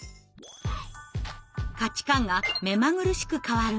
価値観が目まぐるしく変わる